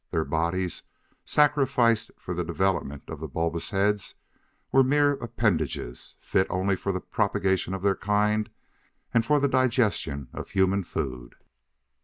Their bodies, sacrificed for the development of the bulbous heads, were mere appendages, fit only for the propagation of their kind and for the digestion of human food.